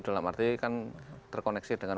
dalam arti kan terkoneksi dengan